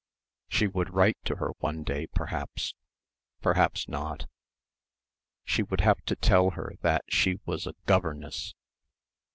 She would write to her one day, perhaps. Perhaps not.... She would have to tell her that she was a governess.